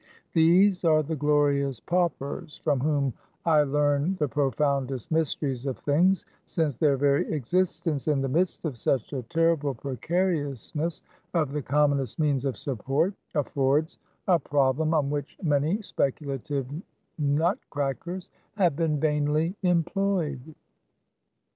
These are the glorious paupers, from whom I learn the profoundest mysteries of things; since their very existence in the midst of such a terrible precariousness of the commonest means of support, affords a problem on which many speculative nutcrackers have been vainly employed.